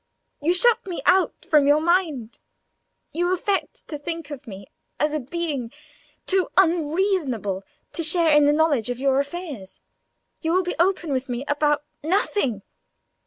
You shut me out from your mind. You affect to think of me as a being too unreasonable to share in the knowledge of your affairs. You will be open with me about nothing."